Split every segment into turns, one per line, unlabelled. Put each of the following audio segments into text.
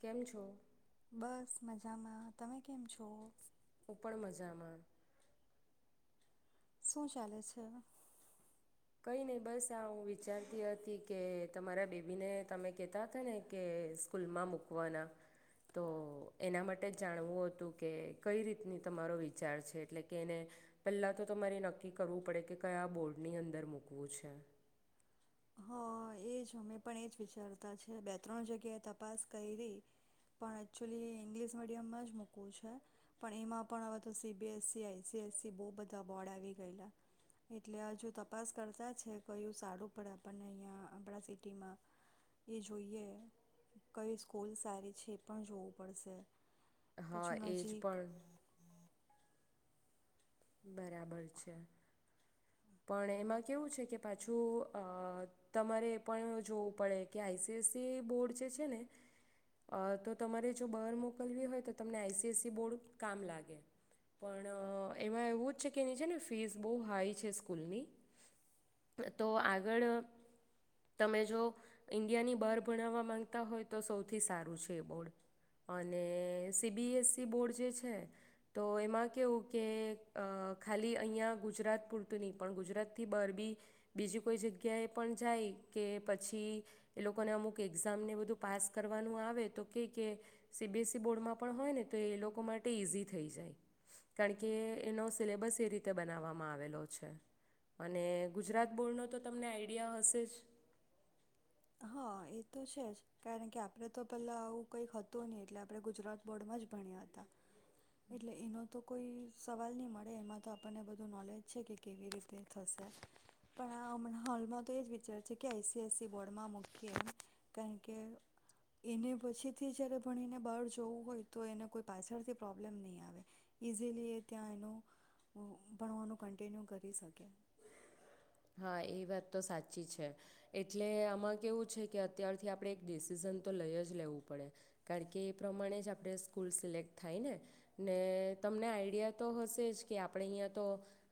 કેમ છો?
બસ મજામાં. તમે કેમ છો?
હું પણ મજામાં.
શું ચાલે છે?
કઈ નહી બસ આ હું વિચારતી હતી કે તમારા બેબીને તમે કહેતા હતા ને કે સ્કૂલમાં મૂકવાના, તો એના માટે જ જાણવું હતું કે કઈ રીતનું તમારો વિચાર છે, એટલે કે એને પહેલા તો તમારે ઈ નક્કી કરવું પડે કે કયા બોર્ડની અં દર મૂકવું છે.
હા એ જ. અમે પણ એ જ વિચારતા છે, બે ત્રણ જગ્યાએ તપાસ કયરી પણ એક્ચ્યુલી ઇંગ્લિશ મીડિયમમાં જ મૂકવું છે, પણ એમાં પણ હવે તો C B S C, I C I C, બહુ બધા બોર્ડ આવી ગયેલા. એટલે આ જો તપાસ કરતા છે કયુ સારું પડે એમ. આપણને અહીંયા આપણા સિટીમાં એ જોઈએ કઈ સ્કૂલ સારી છે એ પણ જોવું પડશે.
હા
પછી
એ જ
નજીક
પણ બરાબર છે. પણ એમાં કેવું છે કે પાછું અહ તમારે એ પણ જોવું પડે કે આઈ સી સી બોર્ડ જે છે ને અહ તો તમારે જો બાર મોકલવી હોય તો તમને આઈ સી સી બોર્ડ કામ લાગે. પણ અહ એમાં એવું જ છે કે એની છેે ને ફીસ બહુ હાઈ છે સ્કૂલની તો આગળ તમે જો ઇન્ડિયાની બહાર ભણાવવા માંગતા હોય તો સૌથી સારું છે એ બોર્ડ અને સીબીએસસી બોર્ડ જે છે તો એમાં કેવું કે અ ખાલી અહીંયા ગુજરાત પૂરતું નહીં પણ ગુજરાતથી બાર બી બીજી કોઈ જગ્યાએ પણ જાય કે પછી એ લોકોને અમુક એક્ઝામને બધું પાસ કરવાનું આવે તો કે કે સીબીએસસી બોર્ડમાં પણ હોય ને તો એ લોકો માટે ઇઝી ‌થઈ જાય. કારણ કે એનો સિલેબસ એ રીતે બનાવવામાં આવેલો છે અને ગુજરાત બોર્ડનો તો તમને આઈડિયા હશે જ
હા એ તો છે જ કારણ કે આપણે તો પહેલા આવું કઈક હતું નહી એટલે આપણે ગુજરાત બોર્ડમાં જ ભણ્યા હતા એટલે એનો તો કોઈ સવાલ ની મળે એમાં તો આપણને બધું નોલેજ છે કે કેવી રીતે થશે પણ આ હમણાં હાલમાં તો એ જ વિચાર છે કે આઈસીઆઈસી બોર્ડમાં મૂકીએ એમ કારણ કે એને પછીથી જ્યારે ભણીને બાર જવું હોય તો એને કોઈ પાછળથી પ્રોબ્લેમ નહીં આવે ઇઝીલી એ ત્યાં એનું ભણવાનું કન્ટિન્યુ કરી શકે.
હા એ વાત તો સાચી છે એટલે આમાં કેવું છે કે અત્યારથી આપણે એક ડિસિઝન તો લઈ જ લેવું પડે કારણ કે એ પ્રમાણે જ આપણે સ્કૂલ સિલેક્ટ થાય ને ને તમને આઈડિયા તો હશે જ કે આપણે અહીંયા તો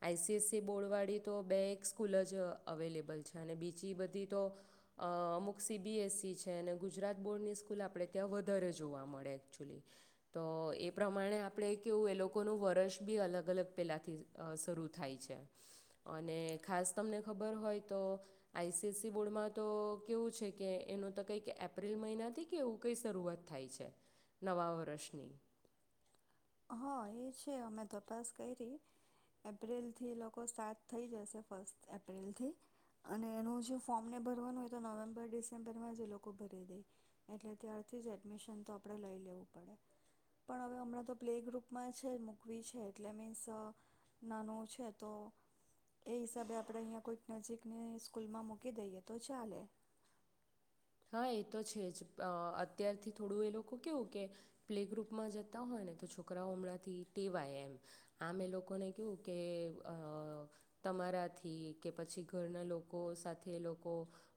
આઈસીએસસી બોર્ડવાળી તો બે એક સ્કૂલ જ અવેલેબલ છે અને બીજી બધી તો અ અમુક સીબીએસઇ છે અને ગુજરાત બોર્ડની સ્કૂલ આપણે ત્યાં વધારે જોવા મળે એકચ્યુલી તો એ પ્રમાણે આપણે કેવું એ લોકોનું વર્ષ બી અલગ અલગ પહેલાંથી અ શરૂ થાય છે અને ખાસ તમને ખબર હોય તો આઈસીએસસી બોર્ડમાં તો કેવું છે કે એનું તો કંઈક એપ્રિલ મહિનાથી કે એવું કંઈ શરૂઆત થાય છે નવા વર્ષની
હ એ છે અમે તપાસ કયરી એપ્રિલથી એ લોકો સ્ટાર્ટ થઈ જશે ફર્સ્ટ એપ્રિલથી અને એનું જે ફોર્મને ભરવાનું હોય તો નવેમ્બર ડિસેમ્બરમાં જ એ લોકો ભરી દેય એટલે ત્યારથી જ એડમિશન તો આપણે લઈ લેવું પડે પણ હવે હમણાં તો પ્લે ગ્રુપમાં છે મૂકવી છે એટલે મીન્સ અ નાનું છે તો એ હિસાબે આપણે અહીંયા કોઈક નજીકની સ્કૂલમાં મૂકી દઈએ તો ચાલે
હા એ તો છે જ. અત્યારથી થોડું એ લોકો કવું કે પ્લે ગ્રુપમાં જતા હોય ને તો છોકરાઓ હમણાંથી ટેવાય. એમ આમ એ લોકોને કવુ કે અ તમારાથી કે પછી ઘરના લોકો સાથે એ લોકો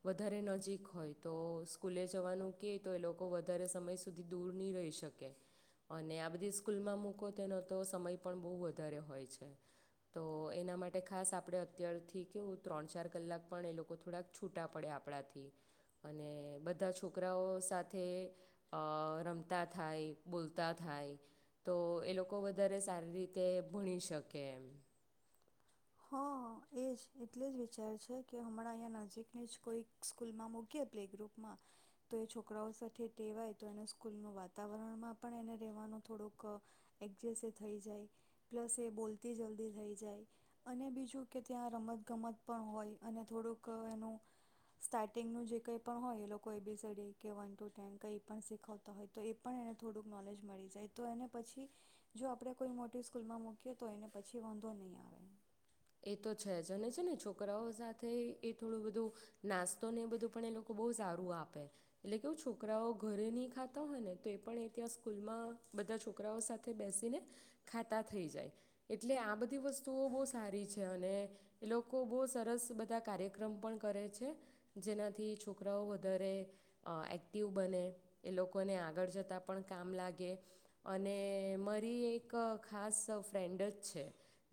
વધારે નજીક હોય. તો સ્કૂલે જવાનું ક તો એ લોકો વધારે સમય સુધી દૂર નહીં રહી શકે અને આ બધી સ્કૂલમાં મૂકો તેનો તો સમય પણ બહુ વધારે હોય છે તો એના માટે ખાસ આપણે અત્યારથી કેવું ત્રણ ચાર કલાક પણ એ લોકો થોડાક છૂટા પડે આપણાથી અને બધા છોકરાઓ સાથે રમતા થાય બોલતા થાય તો એ લોકો વધારે સારી રીતે ભણી શકે એમ.
હ એ જ એટલે જ વિચાર છે કે હમણાં અહીંયા નજીકની જ કોઈ સ્કૂલમાં મૂકી પ્લે ગ્રુપમાં તો એ છોકરાઓ સાથે ટેવાય તો એને સ્કૂલનું વાતાવરણમાં પણ એને રહેવાનું થોડુંક એડજસ્ટ થઈ જાય. પ્લસ એ બોલતી જલ્દી થઈ જાય. અને બીજું કે ત્યાં રમતગમત પણ હોય અને થોડુંક એનું સ્ટાર્ટિંગનું જે કંઈ પણ હોય એ લોકો એ બી સડી કે વન ટુ ટેન કંઈ પણ શીખવતા હોય તો એ પણ એને થોડુંક નોલેજ મળી જાય તો એને પછી જો આપણે કોઈ મોટી સ્કૂલમાં મૂકીએ તો એને પછી વાંધો નહીં આવે [inaudible]
એ તો છે જ અને છે ને છોકરાઓ સાથે એ થોડું બધું નાસ્તોને એ બધું પણ એ લોકો બહુ સારું આપે એટલે કે હ છોકરાઓ ઘરે નહીં ખાતા હોય ને તો એ પણ એ ત્યાં સ્કૂલમાં બધા છોકરાઓ સાથે બેસીને ખાતા થઈ જાય એટલે આ બધી વસ્તુઓ બહુ સારી છે. છે અને એ લોકો બહુ સરસ બધા કાર્યક્રમ પણ કરે છે જેનાથી છોકરાઓ વધારે એક્ટિવ બને એ લોકોને આગળ જતાં પણ કામ લાગે અને મારી એક ખાસ ફ્રેન્ડ જ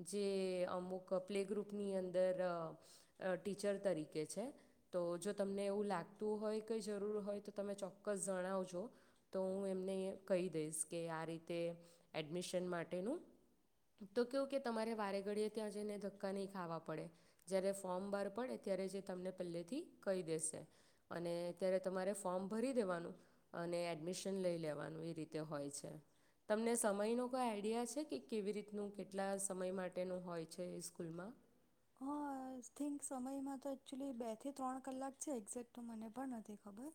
છે જે અમુક પ્લે ગ્રુપની અંદર ટીચર તરીકે છે તો જો તમને એવું લાગતું હોય કેં જરૂર હોય તો તમે ચોક્કસ જણાવજો તો હું એમને કહી દઈશ કે આ રીતે એડમિશન માટેનું તો કવું કે તમારે વારે ઘડીએ ત્યાં જઈને ધક્કા નહીં ખાવા પડે જ્યારે ફોર્મ બહાર પડે ત્યારે જે તમને પહેલેથી કહી દેશે અને ત્યારે તમારે ફોર્મ ભરી દેવાનું અને એડમિશન લઈ લેવાનું એ રીતે હોય છે. તમને સમયનો કોઈ આઈડિયા છે કે કેવી રીતનું કેટલા સમય માટેનું હોય છે સ્કૂલ? [inaudible]
હા આ થિંક સમયમાં તો એકચુલી બે થી ત્રણ કલાક છે એક્ઝેક્ટ તો મને પણ નથી ખબર.